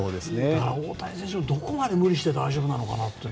大谷選手も、どこまで無理して大丈夫なのかな。